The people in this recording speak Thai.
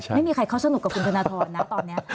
ไม่มีใครเข้าสนุกกับคุณธนทรนะตอนนี้